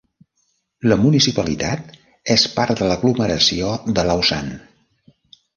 La municipalitat és part de l'aglomeració de Lausanne.